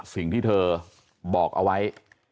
สิ่งที่เธอบอกเอาไว้